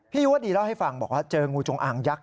ยุวดีเล่าให้ฟังบอกว่าเจองูจงอางยักษ